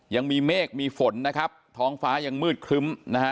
ยังมีเมฆมีฝนนะครับท้องฟ้ายังมืดครึ้มนะฮะ